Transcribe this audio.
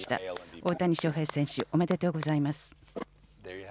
大谷翔平選手、おめでとうございます。